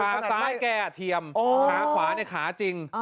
ขาซ้ายแก้เทียมขาขวาเนี่ยขาจริง